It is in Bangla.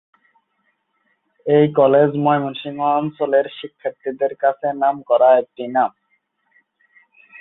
এই কলেজ ময়মনসিংহ অঞ্চলের শিক্ষার্থীদের কাছে নামকরা একটি নাম।